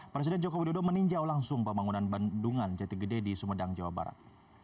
presiden joko widodo meninjau langsung pembangunan bendungan jati gede di sumedang jawa barat